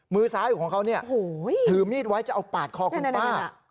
มือซ้ายของเขาเนี่ยถือมีดไว้จะเอาปาดคอคุณป้า